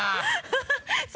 ハハハ